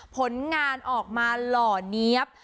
ผลงานออกมาหล่อเนี๊ยบ